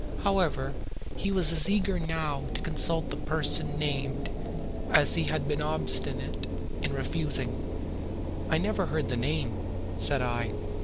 However, he was as eager now to consult the person named as he had been obstinate in refusing. "I never heard the name," said I.